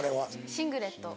シングレット。